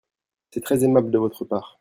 C'est très aimable de votre part.